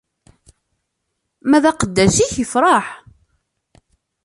Ma d aqeddac-ik iferreḥ.